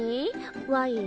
ワイン？